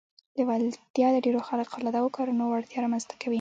لېوالتیا د ډېرو خارق العاده کارونو وړتیا رامنځته کوي